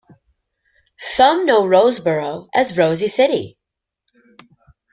Some know Roseboro as Rosie City.